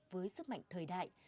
với sức mạnh thời đại